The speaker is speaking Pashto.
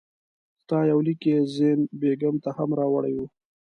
ستا یو لیک یې زین بېګم ته هم راوړی وو.